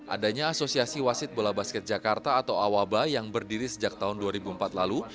adanya asosiasi wasit bola basket jakarta atau awaba yang berdiri sejak tahun dua ribu empat lalu